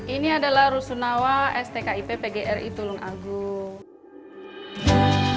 ini adalah rusunawa stkip pgri tulung agung